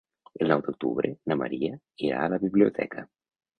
El nou d'octubre na Maria irà a la biblioteca.